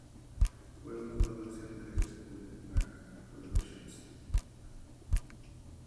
Fue una producción del estudio Knack Productions.